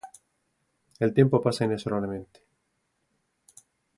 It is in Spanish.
El tiempo pasa inexorablemente.